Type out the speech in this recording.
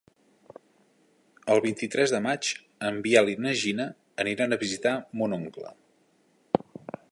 El vint-i-tres de maig en Biel i na Gina aniran a visitar mon oncle.